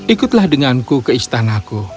ikutlah denganku ke istanaku